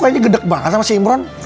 kayaknya gedek banget sama si imron